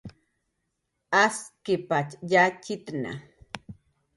Askkipatx yatxitna